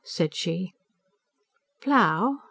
said she. "Plough?"